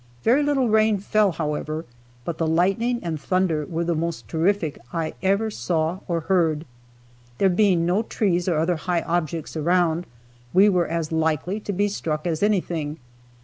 Very little rain fell, however, but the lightning and thunder were the most terrific I ever saw or heard. There being no trees or other high objects around, we were as likely to be struck as any thing.